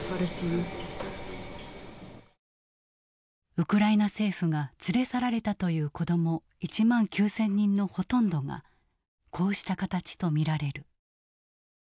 ウクライナ政府が連れ去られたという子ども１万９，０００人のほとんどがこうした形と見られる。